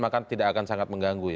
maka tidak akan sangat mengganggu ya